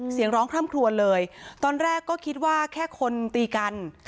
เสียงร้องคล่ำครวนเลยตอนแรกก็คิดว่าแค่คนตีกัน